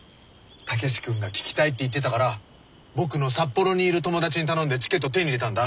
武志君が聴きたいって言ってたから僕の札幌にいる友達に頼んでチケット手に入れたんだ。